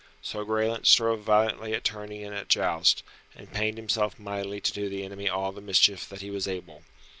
So Graelent strove valiantly at tourney and at joust, and pained himself mightily to do the enemy all the mischief that he was able.